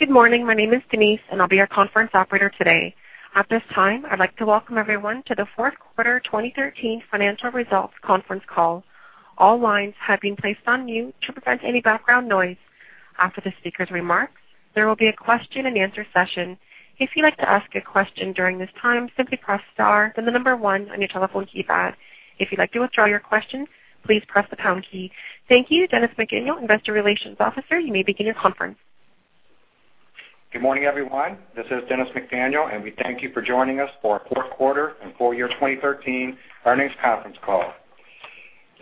Good morning. My name is Denise, and I'll be your conference operator today. At this time, I'd like to welcome everyone to the fourth quarter 2013 financial results conference call. All lines have been placed on mute to prevent any background noise. After the speaker's remarks, there will be a question and answer session. If you'd like to ask a question during this time, simply press star, then the number 1 on your telephone keypad. If you'd like to withdraw your question, please press the pound key. Thank you. Dennis McDaniel, investor relations officer, you may begin your conference. Good morning, everyone. This is Dennis McDaniel, we thank you for joining us for our fourth quarter and full year 2013 earnings conference call.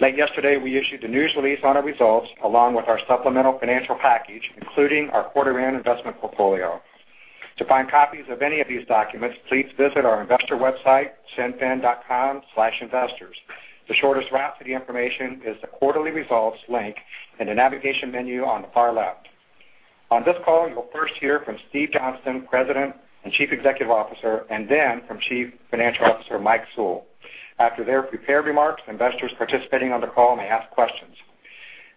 Late yesterday, we issued a news release on our results along with our supplemental financial package, including our quarterly and investment portfolio. To find copies of any of these documents, please visit our investor website, cinfin.com/investors. The shortest route to the information is the quarterly results link in the navigation menu on the far left. On this call, you will first hear from Steve Johnston, President and Chief Executive Officer, then from Chief Financial Officer Mike Sewell. After their prepared remarks, investors participating on the call may ask questions.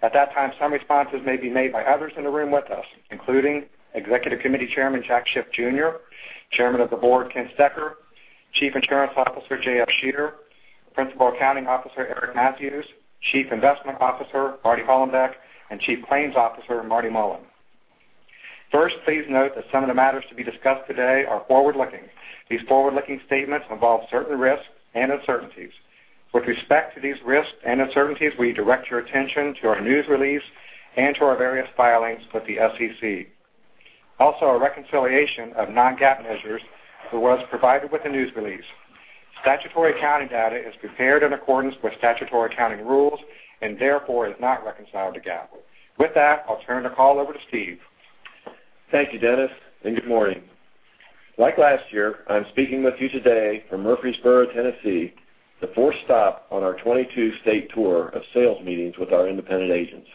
At that time, some responses may be made by others in the room with us, including Executive Committee Chairman Jack Schiff Jr., Chairman of the Board Ken Stecher, Chief Insurance Officer J.F. Scherer, Principal Accounting Officer Eric Mathews, Chief Investment Officer Marty Hollenbeck, Chief Claims Officer Marty Mullen. First, please note that some of the matters to be discussed today are forward-looking. These forward-looking statements involve certain risks and uncertainties. With respect to these risks and uncertainties, we direct your attention to our news release and to our various filings with the SEC. A reconciliation of non-GAAP measures was provided with the news release. Statutory accounting data is prepared in accordance with statutory accounting rules and therefore is not reconciled to GAAP. With that, I'll turn the call over to Steve. Thank you, Dennis, good morning. Like last year, I'm speaking with you today from Murfreesboro, Tennessee, the fourth stop on our 22-state tour of sales meetings with our independent agents.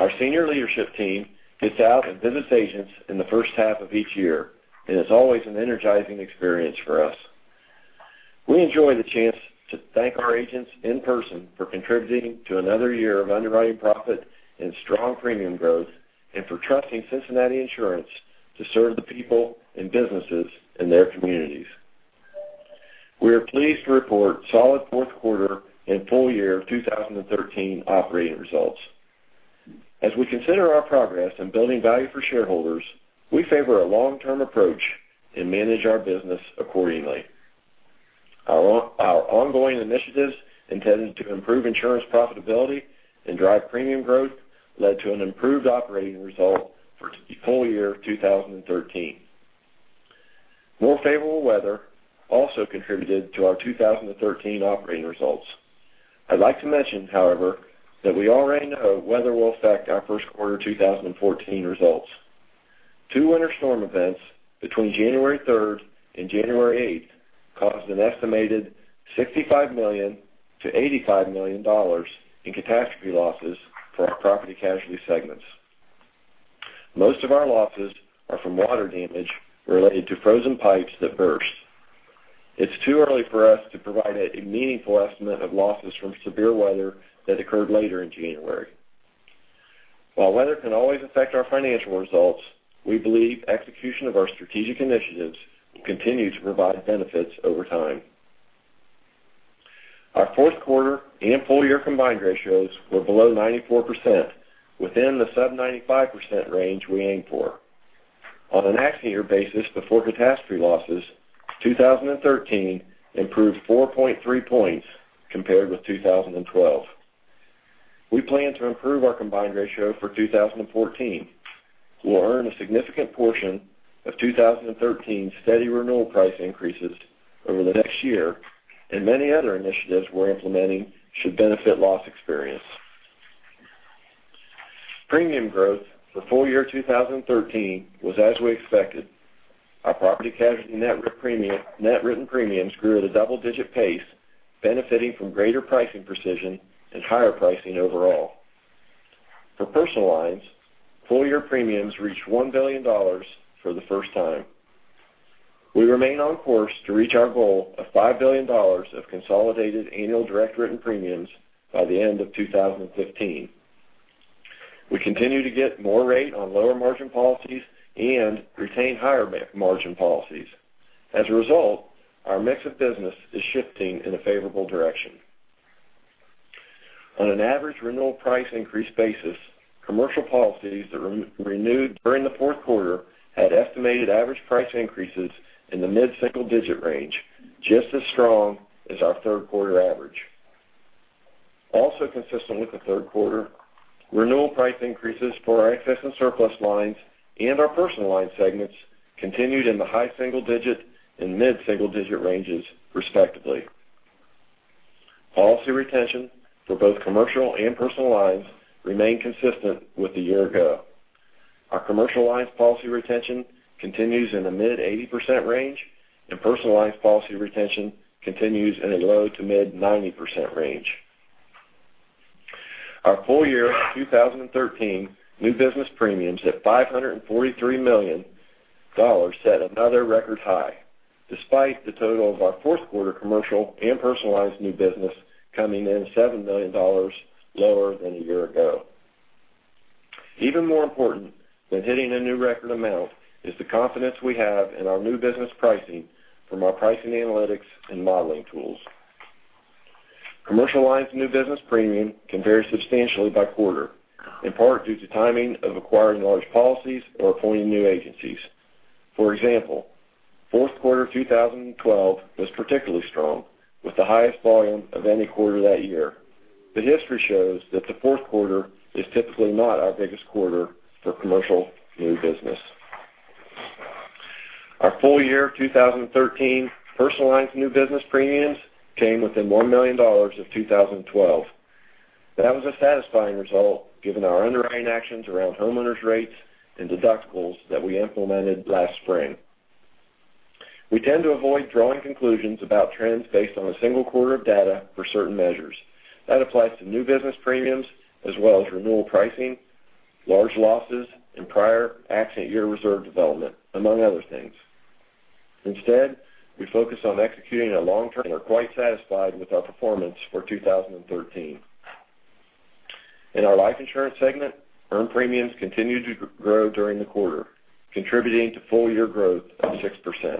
Our senior leadership team gets out and visits agents in the first half of each year, it's always an energizing experience for us. We enjoy the chance to thank our agents in person for contributing to another year of underwriting profit and strong premium growth and for trusting Cincinnati Insurance to serve the people and businesses in their communities. We are pleased to report solid fourth quarter and full year 2013 operating results. As we consider our progress in building value for shareholders, we favor a long-term approach and manage our business accordingly. Our ongoing initiatives intended to improve insurance profitability and drive premium growth led to an improved operating result for the full year 2013. More favorable weather also contributed to our 2013 operating results. I'd like to mention, however, that we already know weather will affect our first quarter 2014 results. Two winter storm events between January 3rd and January 8th caused an estimated $65 million-$85 million in catastrophe losses for our property casualty segments. Most of our losses are from water damage related to frozen pipes that burst. It's too early for us to provide a meaningful estimate of losses from severe weather that occurred later in January. While weather can always affect our financial results, we believe execution of our strategic initiatives will continue to provide benefits over time. Our fourth quarter and full year combined ratios were below 94%, within the sub 95% range we aim for. On an accident year basis before catastrophe losses, 2013 improved 4.3 points compared with 2012. We plan to improve our combined ratio for 2014. We'll earn a significant portion of 2013's steady renewal price increases over the next year, many other initiatives we're implementing should benefit loss experience. Premium growth for full year 2013 was as we expected. Our property casualty net written premiums grew at a double-digit pace, benefiting from greater pricing precision and higher pricing overall. For personal lines, full-year premiums reached $1 billion for the first time. We remain on course to reach our goal of $5 billion of consolidated annual direct written premiums by the end of 2015. We continue to get more rate on lower margin policies and retain higher margin policies. As a result, our mix of business is shifting in a favorable direction. On an average renewal price increase basis, commercial policies that renewed during the fourth quarter had estimated average price increases in the mid-single digit range, just as strong as our third quarter average. Consistent with the third quarter, renewal price increases for our excess and surplus lines and our personal lines segments continued in the high single digit and mid-single digit ranges, respectively. Policy retention for both commercial and personal lines remain consistent with a year ago. Our commercial lines policy retention continues in the mid 80% range, and personal lines policy retention continues in a low to mid 90% range. Our full year 2013 new business premiums at $543 million set another record high despite the total of our fourth quarter commercial and personal lines new business coming in $7 million lower than a year ago. Even more important than hitting a new record amount is the confidence we have in our new business pricing from our pricing analytics and modeling tools. Commercial lines new business premium can vary substantially by quarter, in part due to timing of acquiring large policies or appointing new agencies. For example, fourth quarter 2012 was particularly strong, with the highest volume of any quarter that year. The history shows that the fourth quarter is typically not our biggest quarter for commercial new business. Our full year 2013 personal lines new business premiums came within $1 million of 2012. That was a satisfying result given our underwriting actions around homeowners rates and deductibles that we implemented last spring. We tend to avoid drawing conclusions about trends based on a single quarter of data for certain measures. That applies to new business premiums as well as renewal pricing, large losses, and prior accident year reserve development, among other things. Instead, we focus on executing a long-term and are quite satisfied with our performance for 2013. In our life insurance segment, earned premiums continued to grow during the quarter, contributing to full year growth of 6%.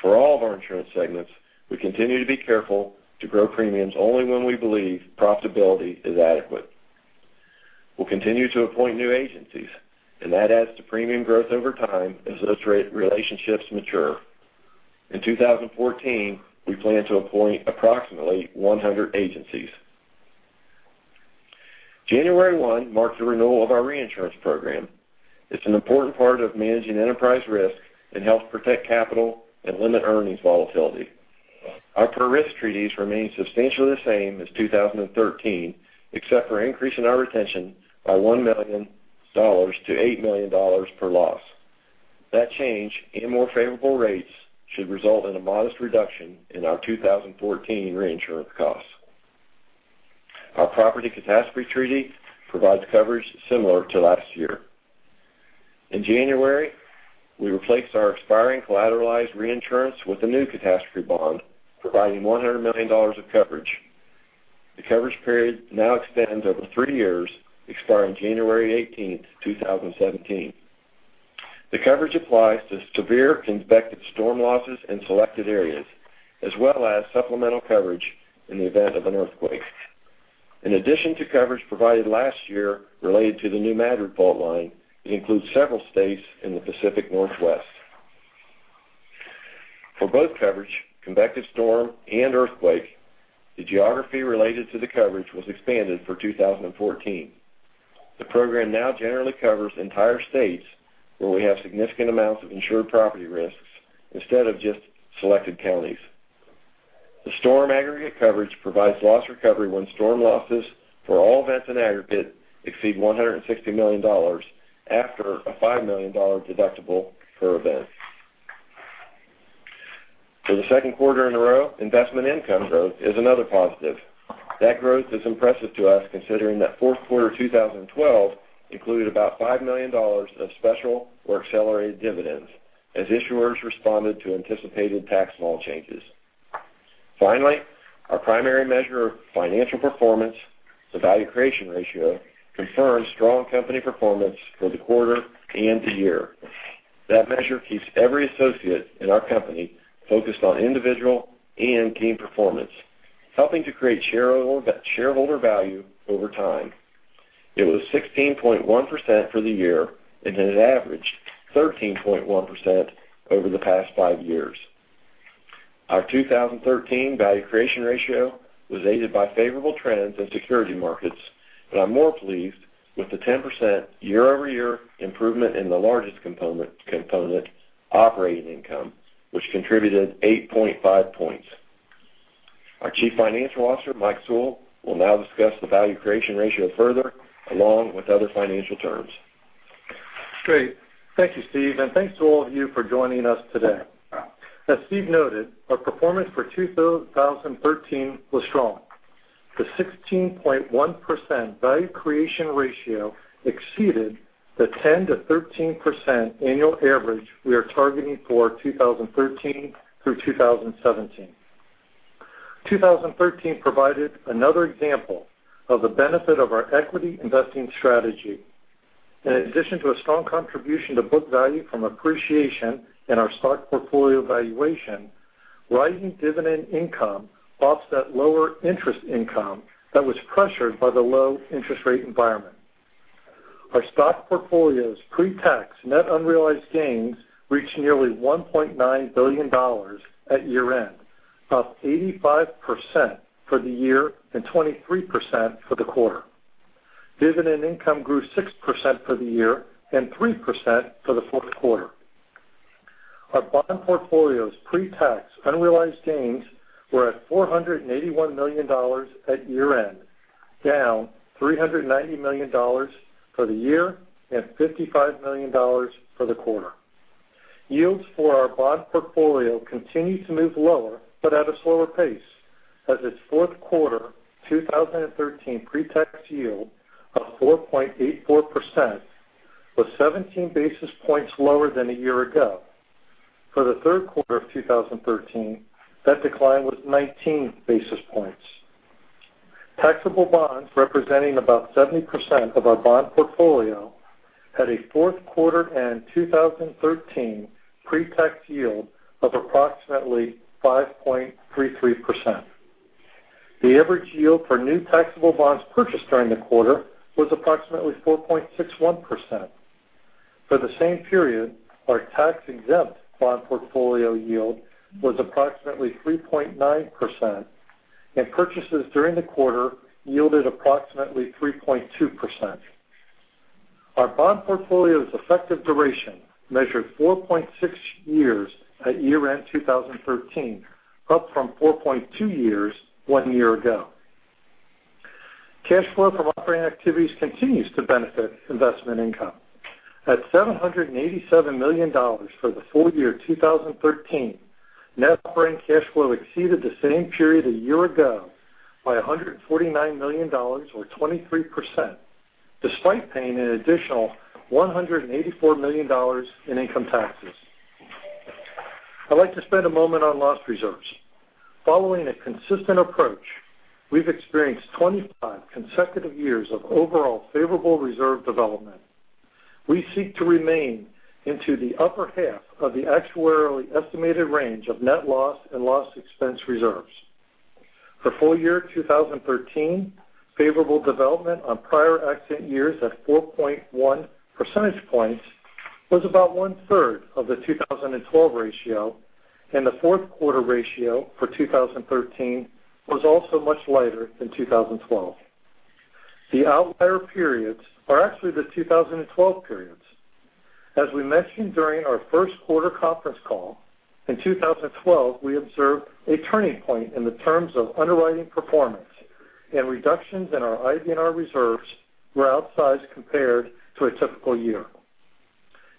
For all of our insurance segments, we continue to be careful to grow premiums only when we believe profitability is adequate. We'll continue to appoint new agencies, and that adds to premium growth over time as those relationships mature. In 2014, we plan to appoint approximately 100 agencies. January 1 marked the renewal of our reinsurance program. It's an important part of managing enterprise risk and helps protect capital and limit earnings volatility. Our per risk treaties remain substantially the same as 2013, except for increasing our retention by $1 million to $8 million per loss. That change and more favorable rates should result in a modest reduction in our 2014 reinsurance costs. Our property catastrophe treaty provides coverage similar to last year. In January, we replaced our expiring collateralized reinsurance with a new catastrophe bond, providing $100 million of coverage. The coverage period now extends over three years, expiring January 18th, 2017. The coverage applies to severe convective storm losses in selected areas, as well as supplemental coverage in the event of an earthquake. In addition to coverage provided last year related to the New Madrid fault line, it includes several states in the Pacific Northwest. For both coverage, convective storm and earthquake, the geography related to the coverage was expanded for 2014. The program now generally covers entire states where we have significant amounts of insured property risks instead of just selected counties. The storm aggregate coverage provides loss recovery when storm losses for all events in aggregate exceed $160 million after a $5 million deductible per event. For the second quarter in a row, investment income growth is another positive. That growth is impressive to us considering that fourth quarter 2012 included about $5 million of special or accelerated dividends as issuers responded to anticipated tax law changes. Finally, our primary measure of financial performance, the value creation ratio, confirms strong company performance for the quarter and the year. That measure keeps every associate in our company focused on individual and team performance, helping to create shareholder value over time. It was 16.1% for the year and has averaged 13.1% over the past five years. Our 2013 value creation ratio was aided by favorable trends in security markets. I'm more pleased with the 10% year-over-year improvement in the largest component, operating income, which contributed 8.5 points. Our Chief Financial Officer, Mike Sewell, will now discuss the value creation ratio further, along with other financial terms. Great. Thank you, Steve, and thanks to all of you for joining us today. As Steve noted, our performance for 2013 was strong. The 16.1% value creation ratio exceeded the 10%-13% annual average we are targeting for 2013 through 2017. 2013 provided another example of the benefit of our equity investing strategy. In addition to a strong contribution to book value from appreciation in our stock portfolio valuation, rising dividend income offset lower interest income that was pressured by the low interest rate environment. Our stock portfolio's pretax net unrealized gains reached nearly $1.9 billion at year-end, up 85% for the year and 23% for the quarter. Dividend income grew 6% for the year and 3% for the fourth quarter. Our bond portfolio's pretax unrealized gains were at $481 million at year-end, down $390 million for the year and $55 million for the quarter. Yields for our bond portfolio continue to move lower but at a slower pace as its fourth quarter 2013 pretax yield of 4.84% was 17 basis points lower than a year ago. For the third quarter of 2013, that decline was 19 basis points. Taxable bonds, representing about 70% of our bond portfolio, had a fourth quarter and 2013 pretax yield of approximately 5.33%. The average yield for new taxable bonds purchased during the quarter was approximately 4.61%. For the same period, our tax-exempt bond portfolio yield was approximately 3.9%, and purchases during the quarter yielded approximately 3.2%. Our bond portfolio's effective duration measured 4.6 years at year-end 2013, up from 4.2 years one year ago. Cash flow from operating activities continues to benefit investment income. At $787 million for the full year 2013, net operating cash flow exceeded the same period a year ago by $149 million or 23%, despite paying an additional $184 million in income taxes. I'd like to spend a moment on loss reserves. Following a consistent approach, we've experienced 25 consecutive years of overall favorable reserve development. We seek to remain into the upper half of the actuarially estimated range of net loss and loss expense reserves. For full year 2013, favorable development on prior accident years at 4.1 percentage points was about one-third of the 2012 ratio, and the fourth quarter ratio for 2013 was also much lighter than 2012. The outlier periods are actually the 2012 periods. As we mentioned during our first quarter conference call, in 2012, we observed a turning point in the terms of underwriting performance, and reductions in our IBNR reserves were outsized compared to a typical year.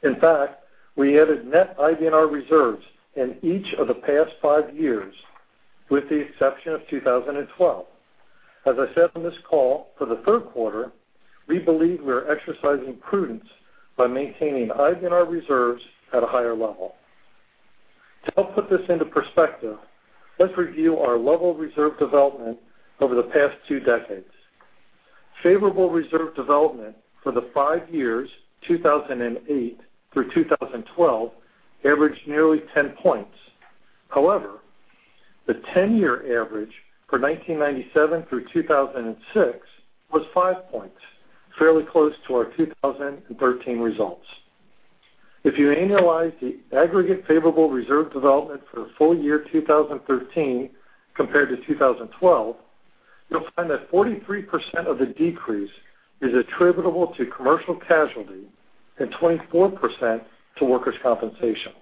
In fact, we added net IBNR reserves in each of the past five years, with the exception of 2012. As I said on this call, for the third quarter, we believe we are exercising prudence by maintaining IBNR reserves at a higher level. To help put this into perspective, let's review our level of reserve development over the past two decades. Favorable reserve development for the five years 2008 through 2012 averaged nearly 10 points. However, the 10-year average for 1997 through 2006 was five points, fairly close to our 2013 results. If you annualize the aggregate favorable reserve development for full year 2013 compared to 2012, you'll find that 43% of the decrease is attributable to commercial casualty and 24% to workers' compensation.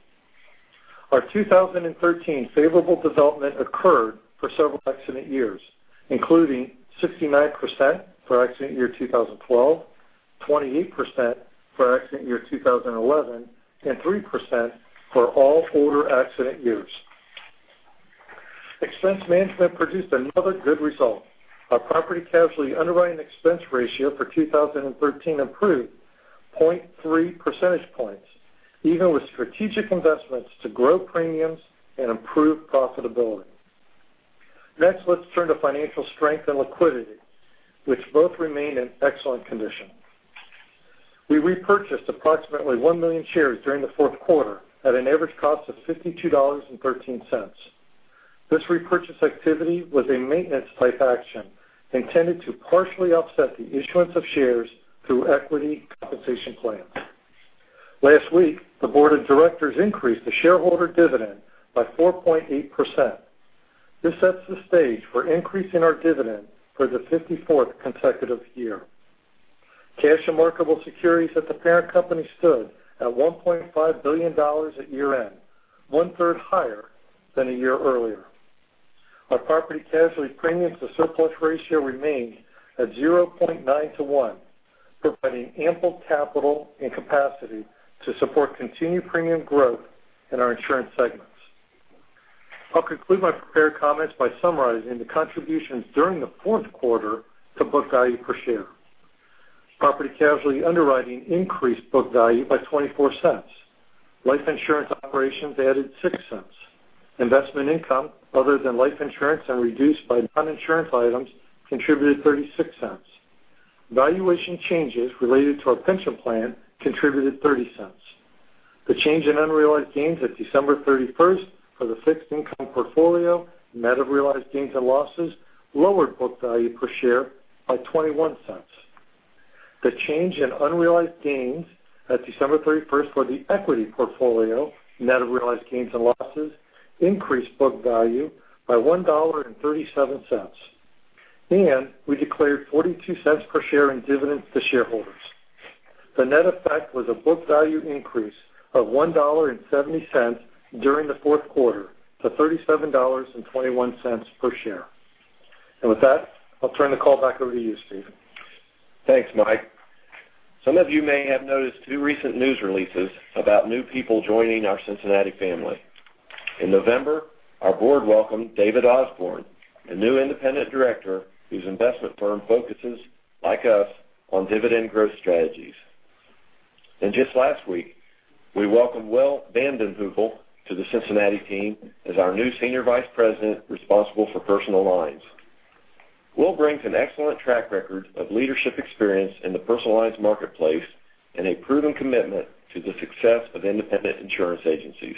Our 2013 favorable development occurred for several accident years, including 69% for accident year 2012, 28% for accident year 2011, and 3% for all older accident years. Expense management produced another good result. Our property casualty underwriting expense ratio for 2013 improved 0.3 percentage points, even with strategic investments to grow premiums and improve profitability. Next, let's turn to financial strength and liquidity, which both remain in excellent condition. We repurchased approximately 1 million shares during the fourth quarter at an average cost of $52.13. This repurchase activity was a maintenance-type action intended to partially offset the issuance of shares through equity compensation plans. Last week, the board of directors increased the shareholder dividend by 4.8%. This sets the stage for increasing our dividend for the 54th consecutive year. Cash and marketable securities at the parent company stood at $1.5 billion at year-end, one-third higher than a year earlier. Our property casualty premiums to surplus ratio remained at 0.9 to 1, providing ample capital and capacity to support continued premium growth in our insurance segments. I'll conclude my prepared comments by summarizing the contributions during the fourth quarter to book value per share. Property casualty underwriting increased book value by $0.24. Life insurance operations added $0.06. Investment income other than life insurance and reduced by non-insurance items contributed $0.36. Valuation changes related to our pension plan contributed $0.30. The change in unrealized gains at December 31st for the fixed income portfolio, net of realized gains and losses, lowered book value per share by $0.21. The change in unrealized gains at December 31st for the equity portfolio, net of realized gains and losses, increased book value by $1.37. We declared $0.42 per share in dividends to shareholders. The net effect was a book value increase of $1.70 during the fourth quarter to $37.21 per share. With that, I'll turn the call back over to you, Steve. Thanks, Mike. Some of you may have noticed two recent news releases about new people joining our Cincinnati family. In November, our board welcomed David Osborn, a new independent director whose investment firm focuses, like us, on dividend growth strategies. Just last week, we welcomed Will VandenHeuvel to the Cincinnati team as our new senior vice president responsible for personal lines. Will brings an excellent track record of leadership experience in the personal lines marketplace and a proven commitment to the success of independent insurance agencies.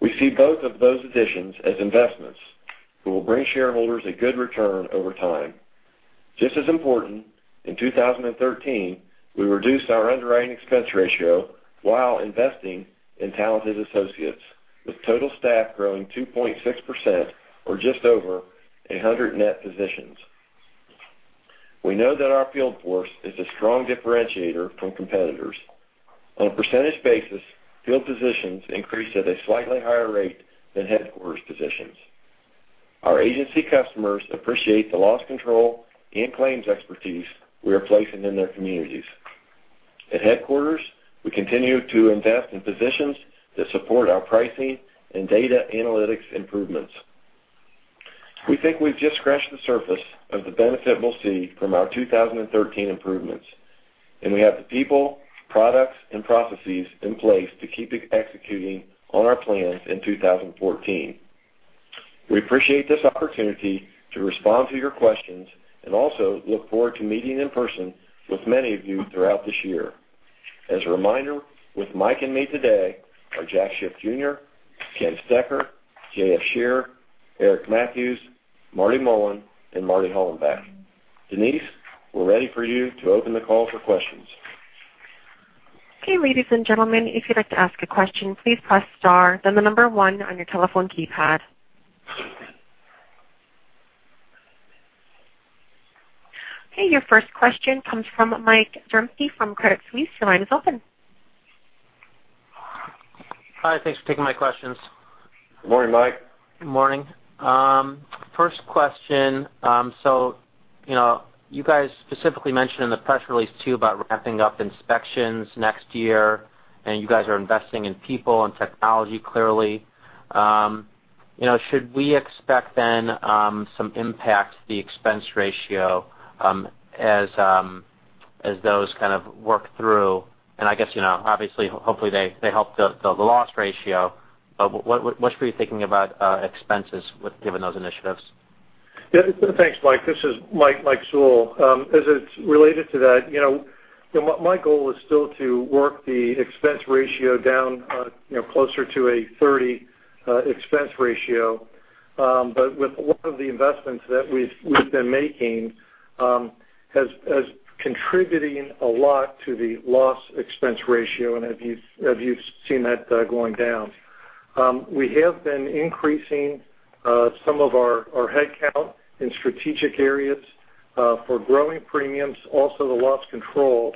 We see both of those additions as investments that will bring shareholders a good return over time. Just as important, in 2013, we reduced our underwriting expense ratio while investing in talented associates, with total staff growing 2.6%, or just over 100 net positions. We know that our field force is a strong differentiator from competitors. On a percentage basis, field positions increased at a slightly higher rate than headquarters positions. Our agency customers appreciate the loss control and claims expertise we are placing in their communities. At headquarters, we continue to invest in positions that support our pricing and data analytics improvements. We think we've just scratched the surface of the benefit we'll see from our 2013 improvements, and we have the people, products, and processes in place to keep executing on our plans in 2014. We appreciate this opportunity to respond to your questions and also look forward to meeting in person with many of you throughout this year. As a reminder, with Mike and me today are Jack Schiff Jr., Ken Stecher, J.F. Scherer, Eric Matthews, Marty Mullen, and Marty Hollenbeck. Denise, we're ready for you to open the call for questions. Okay, ladies and gentlemen, if you'd like to ask a question, please press star, then the number one on your telephone keypad. Okay, your first question comes from Mike Zaremski from Credit Suisse. Your line is open. Hi, thanks for taking my questions. Good morning, Mike. Good morning. First question, you guys specifically mentioned in the press release too about wrapping up inspections next year, you guys are investing in people and technology, clearly. Should we expect some impact to the expense ratio as those kind of work through, I guess, obviously, hopefully they help the loss ratio, but what were you thinking about expenses given those initiatives? Yeah, thanks, Mike. This is Mike Sewell. As it's related to that, my goal is still to work the expense ratio down closer to a 30 expense ratio, with a lot of the investments that we've been making has contributing a lot to the loss expense ratio, as you've seen that going down. We have been increasing some of our headcount in strategic areas for growing premiums, also the loss control.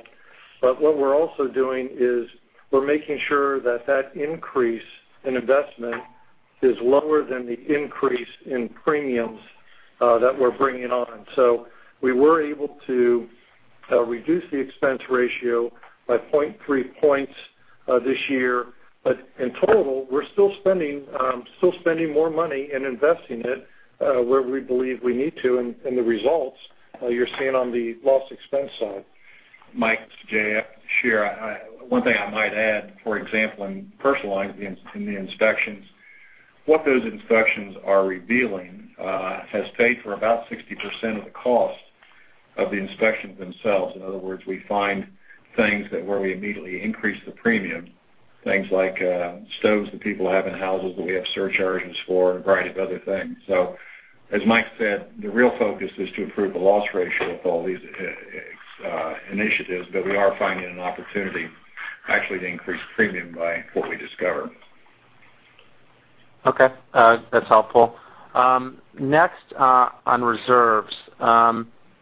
What we're also doing is we're making sure that that increase in investment is lower than the increase in premiums that we're bringing on. We were able to reduce the expense ratio by 0.3 points this year. In total, we're still spending more money and investing it where we believe we need to, the results you're seeing on the loss expense side. Mike, it's J.F. Scherer. One thing I might add, for example, in personal lines, in the inspections, what those inspections are revealing has paid for about 60% of the cost of the inspections themselves. In other words, we find things that where we immediately increase the premium, things like stoves that people have in houses that we have surcharges for, a variety of other things. As Mike said, the real focus is to improve the loss ratio with all these initiatives, we are finding an opportunity actually to increase premium by what we discover. Okay. That's helpful. Next, on reserves. I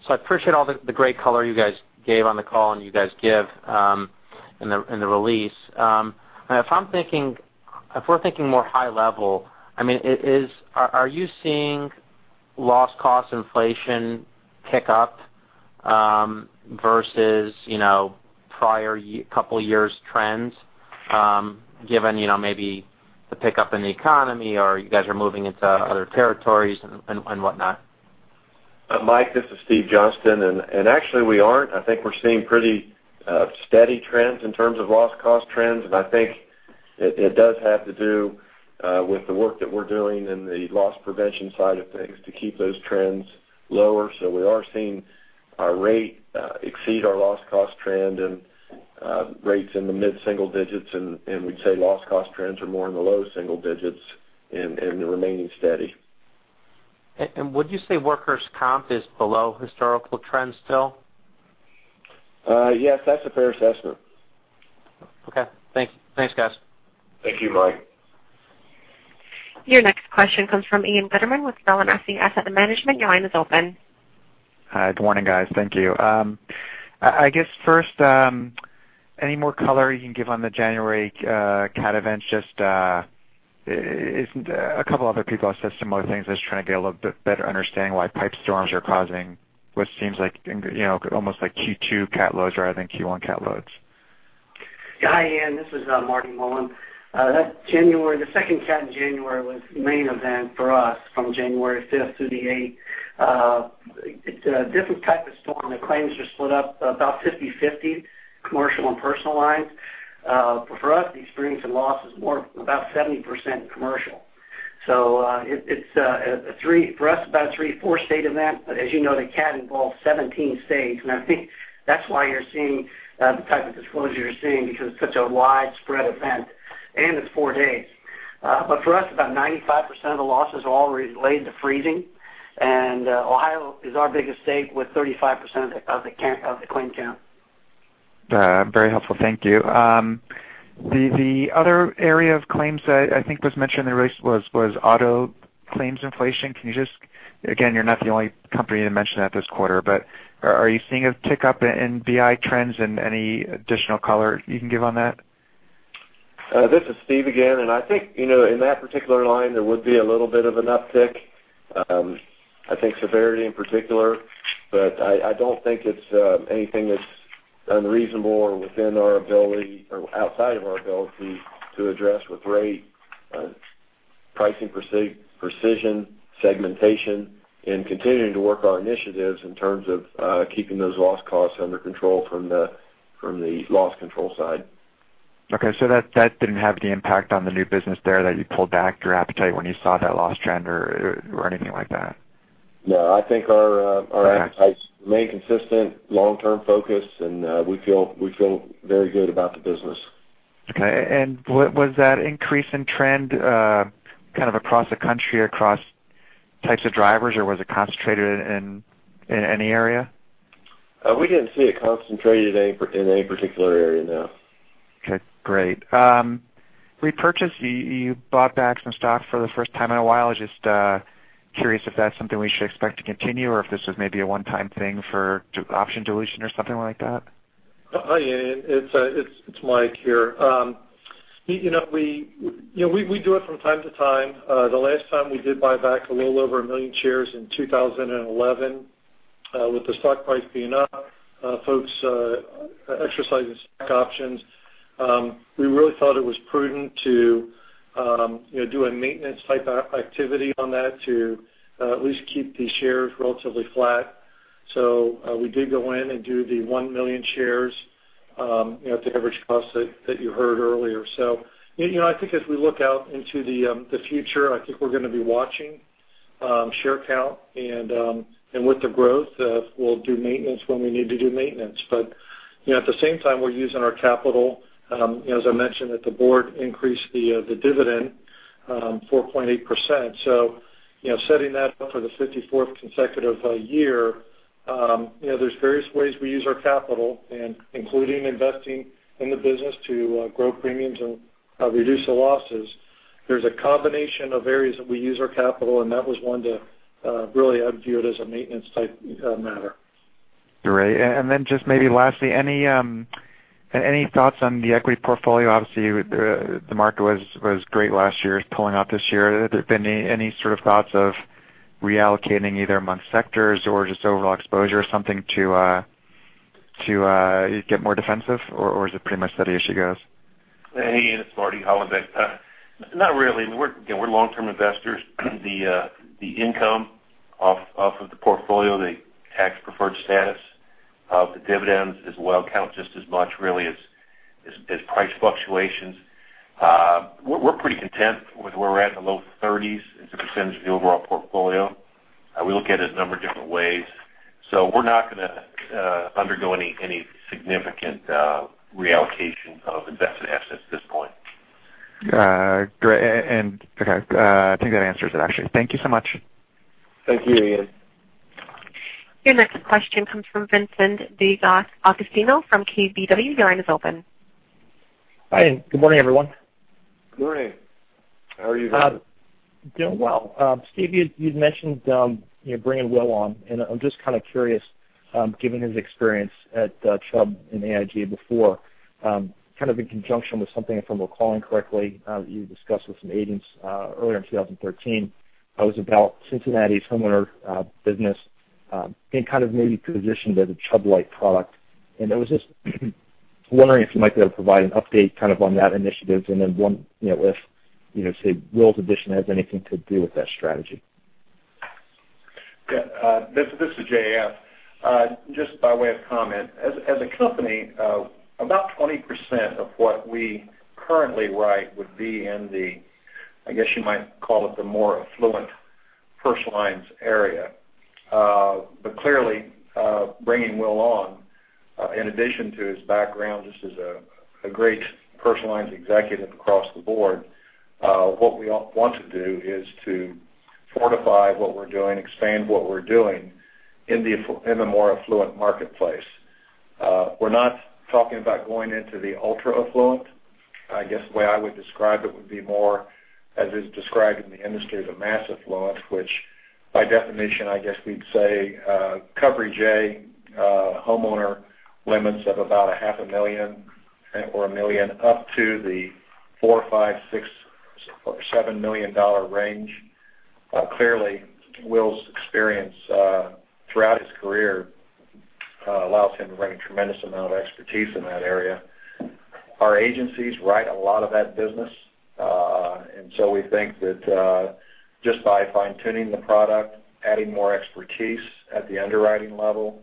appreciate all the great color you guys gave on the call you guys give in the release. If we're thinking more high level, are you seeing loss cost inflation pick up versus prior couple years' trends, given maybe the pickup in the economy or you guys are moving into other territories and whatnot? Mike, this is Steve Johnston, actually we aren't. I think we're seeing pretty steady trends in terms of loss cost trends. I think it does have to do with the work that we're doing in the loss prevention side of things to keep those trends lower. We are seeing our rate exceed our loss cost trend and rates in the mid-single digits, and we'd say loss cost trends are more in the low single digits and remaining steady. Would you say workers' comp is below historical trends still? Yes, that's a fair assessment. Okay, thanks guys. Thank you, Mike. Your next question comes from Ian Gutterman with Balyasny Asset Management. Your line is open. Hi, good morning, guys. Thank you. I guess first, any more color you can give on the January cat events? Just a couple other people have said similar things. I was trying to get a little bit better understanding why ice storms are causing what seems almost like Q2 cat loads rather than Q1 cat loads. Yeah. Ian, this is Marty Mullen. The second cat in January was the main event for us from January 5th through the 8th. It's a different type of storm. The claims are split up about 50/50 commercial and personal lines. For us, the extremes in loss is more about 70% commercial. For us, about a three, four state event. As you know, the cat involved 17 states, I think that's why you're seeing the type of disclosure you're seeing because it's such a widespread event, and it's four days. For us, about 95% of the losses are all related to freezing. Ohio is our biggest state with 35% of the claim count. Very helpful. Thank you. The other area of claims I think was mentioned in the release was auto claims inflation. Again, you're not the only company to mention that this quarter, but are you seeing a tick-up in BI trends and any additional color you can give on that? This is Steve again. I think, in that particular line, there would be a little bit of an uptick. I think severity in particular, but I don't think it's anything that's unreasonable or outside of our ability to address with rate, pricing precision, segmentation, and continuing to work on initiatives in terms of keeping those loss costs under control from the loss control side. Okay, that didn't have any impact on the new business there, that you pulled back your appetite when you saw that loss trend or anything like that? No, I think our- Okay Appetites remain consistent long-term focus. We feel very good about the business. Okay. Was that increase in trend kind of across the country, across types of drivers, or was it concentrated in any area? We didn't see it concentrated in any particular area, no. Okay, great. Repurchase, you bought back some stock for the first time in a while. Just curious if that's something we should expect to continue or if this was maybe a one-time thing for option dilution or something like that? Hi, Ian. It's Mike here. We do it from time to time. The last time we did buy back a little over 1 million shares in 2011 with the stock price being up, folks exercising stock options. We really thought it was prudent to do a maintenance type activity on that to at least keep the shares relatively flat. We did go in and do the 1 million shares at the average cost that you heard earlier. I think as we look out into the future, I think we're going to be watching share count, and with the growth, we'll do maintenance when we need to do maintenance. At the same time, we're using our capital. As I mentioned that the board increased the dividend, 4.8%. Setting that for the 54th consecutive year there's various ways we use our capital, including investing in the business to grow premiums and reduce the losses. There's a combination of areas that we use our capital, that was one that really I'd view it as a maintenance type matter. Great. Just maybe lastly, any thoughts on the equity portfolio? Obviously, the market was great last year, is pulling up this year. Have there been any sort of thoughts of reallocating either amongst sectors or just overall exposure or something to get more defensive, or is it pretty much steady as she goes? Hey, Ian, it's Marty Hollenbeck. Not really. We're long-term investors. The income off of the portfolio, the tax-preferred status of the dividends as well count just as much really as price fluctuations. We're pretty content with where we're at in the low 30s as a percentage of the overall portfolio. We look at it a number of different ways. We're not going to undergo any significant reallocation of invested assets at this point. Great. Okay. I think that answers it, actually. Thank you so much. Thank you, Ian. Your next question comes from Vincent DeAgostino from KBW. Your line is open. Hi, good morning, everyone. Good morning. How are you? Doing well. Steve, you'd mentioned bringing Will on, I'm just kind of curious, given his experience at Chubb and AIG before, kind of in conjunction with something, if I'm recalling correctly, you discussed with some agents earlier in 2013. It was about Cincinnati's homeowner business being kind of maybe positioned as a Chubb-like product. I was just wondering if you might be able to provide an update kind of on that initiative and then one, if say, Will's addition has anything to do with that strategy. This is J.F. Just by way of comment, as a company, about 20% of what we currently write would be in the, I guess you might call it the more affluent personal lines area. Clearly, bringing Will on, in addition to his background just as a great personal lines executive across the board, what we want to do is to fortify what we're doing, expand what we're doing in the more affluent marketplace. We're not talking about going into the ultra-affluent I guess the way I would describe it would be more as is described in the industry as a mass affluent, which by definition, I guess we'd say Coverage A homeowner limits of about a half a million or a million up to the four, five, six, or seven million dollar range. Clearly, Will's experience throughout his career allows him to bring a tremendous amount of expertise in that area. Our agencies write a lot of that business. We think that just by fine-tuning the product, adding more expertise at the underwriting level,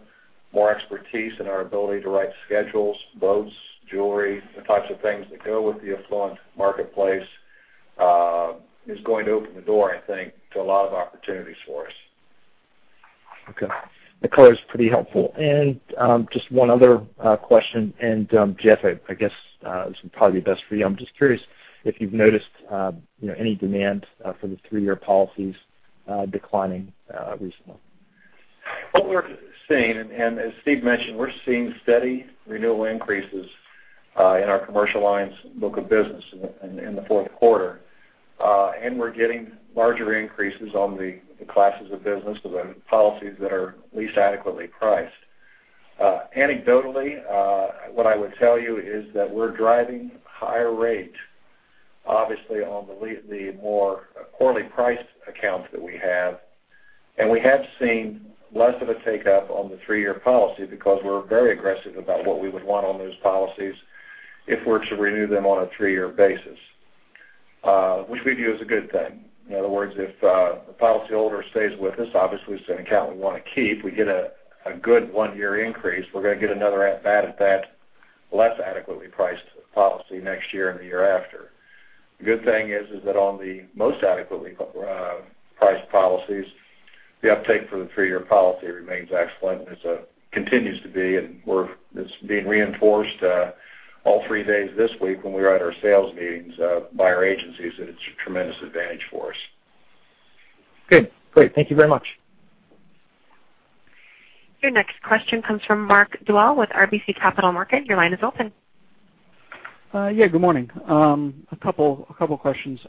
more expertise in our ability to write schedules, boats, jewelry, the types of things that go with the affluent marketplace, is going to open the door, I think, to a lot of opportunities for us. Okay. That color is pretty helpful. Just one other question. Jeff, I guess this would probably be best for you. I'm just curious if you've noticed any demand for the three-year policies declining recently. What we're seeing, as Steve mentioned, we're seeing steady renewal increases in our commercial lines book of business in the fourth quarter. We're getting larger increases on the classes of business, the policies that are least adequately priced. Anecdotally, what I would tell you is that we're driving higher rates, obviously on the more poorly priced accounts that we have, and we have seen less of a take up on the three-year policy because we're very aggressive about what we would want on those policies if we're to renew them on a three-year basis, which we view as a good thing. In other words, if the policyholder stays with us, obviously, it's an account we want to keep. We get a good one-year increase. We're going to get another at-bat at that less adequately priced policy next year and the year after. The good thing is that on the most adequately priced policies, the uptake for the three-year policy remains excellent and continues to be, and it's being reinforced all three days this week when we were at our sales meetings by our agencies, and it's a tremendous advantage for us. Good. Great. Thank you very much. Your next question comes from Mark Dwelle with RBC Capital Markets. Your line is open. Yeah, good morning. A couple of questions.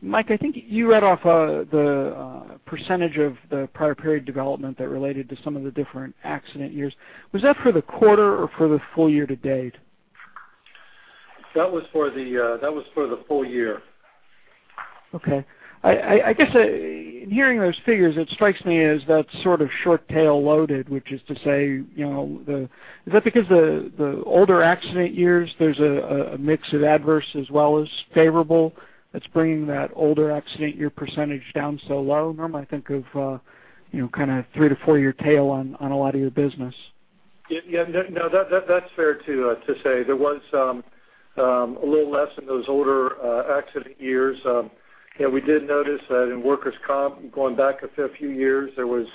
Mike, I think you read off the percentage of the prior period development that related to some of the different accident years. Was that for the quarter or for the full year to date? That was for the full year. Okay. I guess, in hearing those figures, it strikes me as that's sort of short tail loaded, which is to say, is that because the older accident years, there's a mix of adverse as well as favorable that's bringing that older accident year percentage down so low? Normally, I think of kind of three to four-year tail on a lot of your business. Yeah. No, that's fair to say. There was a little less in those older accident years. We did notice that in workers' comp, going back a fair few years, there was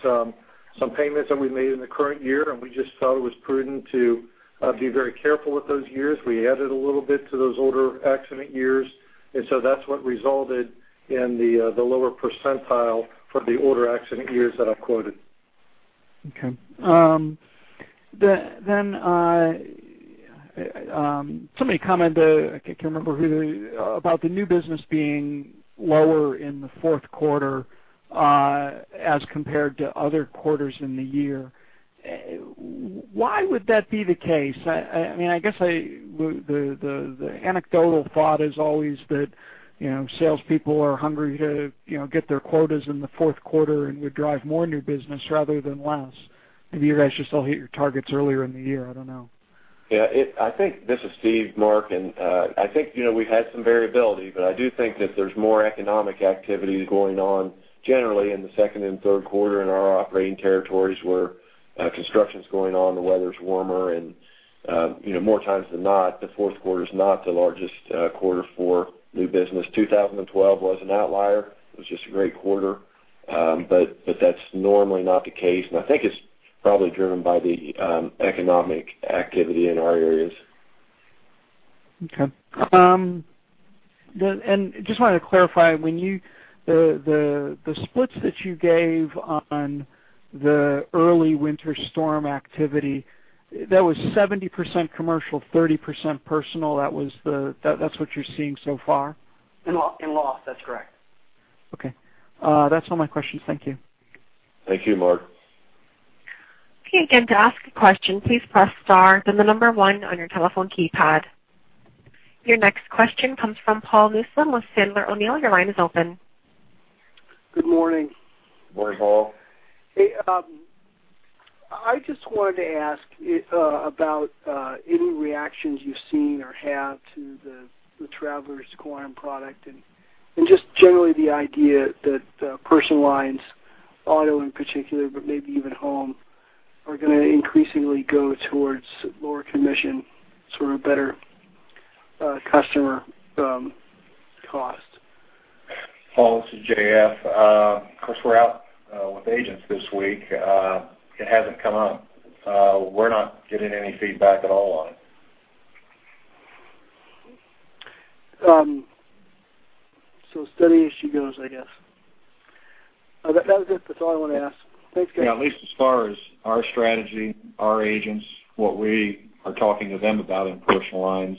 some payments that we made in the current year, and we just thought it was prudent to be very careful with those years. We added a little bit to those older accident years, and so that's what resulted in the lower percentile for the older accident years that I've quoted. Okay. Somebody commented, I can't remember who, about the new business being lower in the fourth quarter as compared to other quarters in the year. Why would that be the case? I guess the anecdotal thought is always that salespeople are hungry to get their quotas in the fourth quarter and would drive more new business rather than less. Maybe you guys just all hit your targets earlier in the year. I don't know. Yeah. This is Steve, Mark. I think we've had some variability, but I do think that there's more economic activity going on generally in the second and third quarter in our operating territories where construction's going on, the weather's warmer, and more times than not, the fourth quarter is not the largest quarter for new business. 2012 was an outlier. It was just a great quarter. That's normally not the case, and I think it's probably driven by the economic activity in our areas. Okay. Just wanted to clarify, the splits that you gave on the early winter storm activity, that was 70% commercial, 30% personal. That's what you're seeing so far? In loss. That's correct. Okay. That's all my questions. Thank you. Thank you, Mark. Okay, again, to ask a question, please press star, then the number 1 on your telephone keypad. Your next question comes from Paul Newsome with Sandler O'Neill. Your line is open. Good morning. Good morning, Paul. Hey, I just wanted to ask about any reactions you've seen or had to the Travelers Quantum product, and just generally the idea that personal lines, auto in particular, but maybe even home, are going to increasingly go towards lower commission, sort of better customer cost. Paul, this is J.F. Of course, we're out with agents this week. It hasn't come up. We're not getting any feedback at all on it. Steady as she goes, I guess. That was it. That's all I wanted to ask. Thanks, guys. At least as far as our strategy, our agents, what we are talking to them about in personal lines,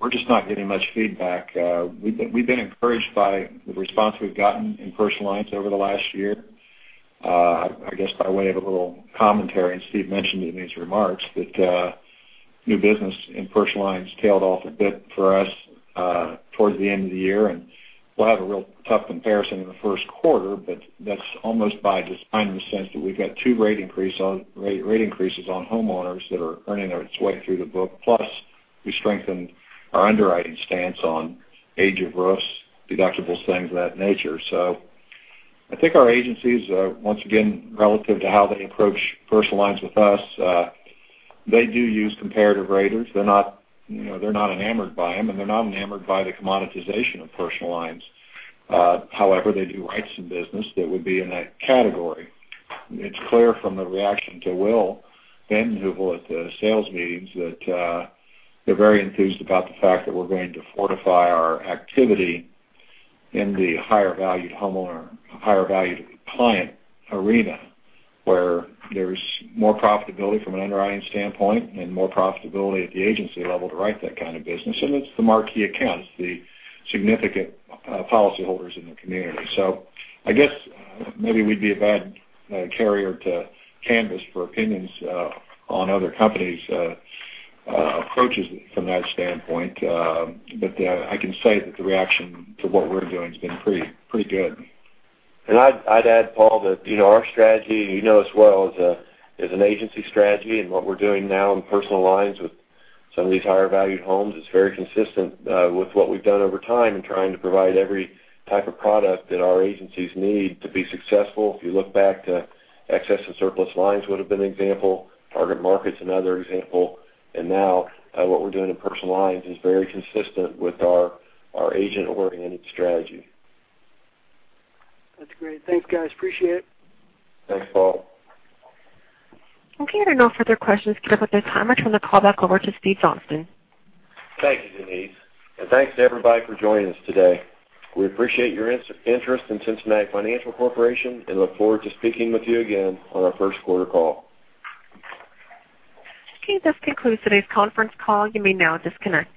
we're just not getting much feedback. We've been encouraged by the response we've gotten in personal lines over the last year. I guess by way of a little commentary, Steve mentioned it in his remarks, that new business in personal lines tailed off a bit for us towards the end of the year, and we'll have a real tough comparison in the first quarter, but that's almost by design in the sense that we've got two rate increases on homeowners that are earning their way through the book. Plus, we strengthened our underwriting stance on age of roofs, deductibles, things of that nature. I think our agencies are, once again, relative to how they approach personal lines with us, they do use comparative raters. They're not enamored by them, they're not enamored by the commoditization of personal lines. However, they do write some business that would be in that category. It's clear from the reaction to Will and the people at the sales meetings that they're very enthused about the fact that we're going to fortify our activity in the higher valued homeowner, higher valued client arena, where there's more profitability from an underwriting standpoint and more profitability at the agency level to write that kind of business. It's the marquee accounts, the significant policy holders in the community. I guess maybe we'd be a bad carrier to canvas for opinions on other companies' approaches from that standpoint. I can say that the reaction to what we're doing has been pretty good. I'd add, Paul, that our strategy, you know as well, is an agency strategy, and what we're doing now in personal lines with some of these higher valued homes is very consistent with what we've done over time in trying to provide every type of product that our agencies need to be successful. If you look back to excess and surplus lines would've been an example, target market's another example. Now what we're doing in personal lines is very consistent with our agent-oriented strategy. That's great. Thanks, guys. Appreciate it. Thanks, Paul. Okay, there are no further questions. With that time, I turn the call back over to Steve Johnston. Thank you, Denise. Thanks to everybody for joining us today. We appreciate your interest in Cincinnati Financial Corporation and look forward to speaking with you again on our first quarter call. Okay, this concludes today's conference call. You may now disconnect.